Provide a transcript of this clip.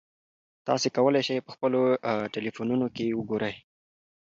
تاسي کولای شئ په خپلو ټیلیفونونو کې وګورئ.